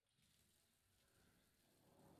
A veces se ve la alimentación en grupos pequeños.